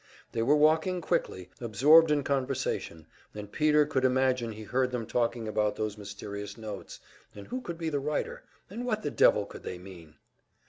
They were walking quickly, absorbed in conversation, and Peter could imagine he heard them talking about those mysterious notes, and who could be the writer, and what the devil could they mean?